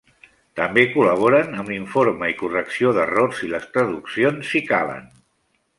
També col·laboren amb l'informe i correcció d'errors i les traduccions si calen.